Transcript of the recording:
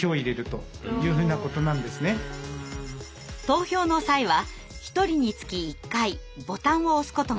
投票の際は一人につき一回ボタンを押すことができます。